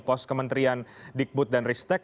pos kementerian digbud dan ristek